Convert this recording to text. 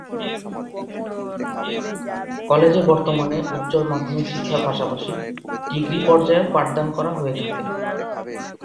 কলেজে বর্তমানে উচ্চ মাধ্যমিক শিক্ষার পাশাপাশি, ডিগ্রি পর্যায়েও পাঠদান করা হয়ে থাকে।